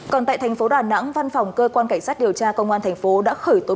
còn tại thành phố đà nẵng văn phòng cơ quan cảnh sát điều tra công an thành phố đã khởi tố